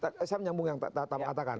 saya nyambung yang tadi katakan